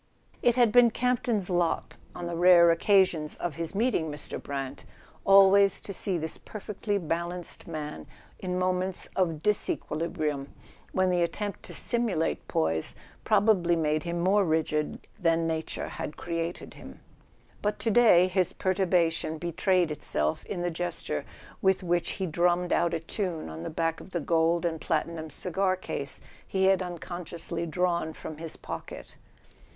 It had been Campton's lot, on the rare occasions of his meeting Mr. Brant, always to see this perfectly balanced man in moments of disequilibrium, when the attempt to simulate poise probably made him more rigid than nature had created him. But to day his perturbation betrayed itself in the gesture with which he dru mm ed out a tune on the back of the gold and platinum cigar case he had unconsciously drawn from his pocket.